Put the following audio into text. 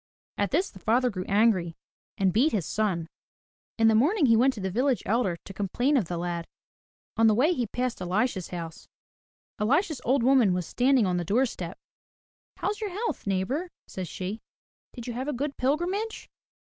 At this the father grew angry and beat his son. In the morning he went to the village elder to complain of the lad. On the way he passed Elisha's house. Elisha's old woman was standing on the doorstep. "How's your health, neighbor," says she. "Did you have a good pilgrimage?"